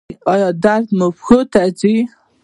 ایا درد مو پښو ته ځي؟